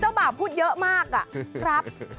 คือเจ้าบ่าพูดเยอะมากอะ